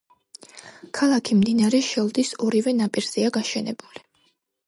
ქალაქი მდინარე შელდის ორივე ნაპირზეა გაშენებული.